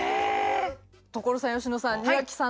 所さん佳乃さん。